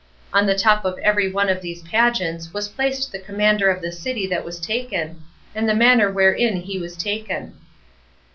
On the top of every one of these pageants was placed the commander of the city that was taken, and the manner wherein he was taken.